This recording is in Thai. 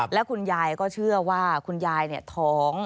แล้วคุณยายก็เชื่อว่าคุณยายท้อง